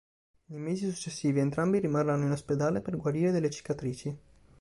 Nei mesi successivi entrambi rimarranno in ospedale per guarire dalle cicatrici.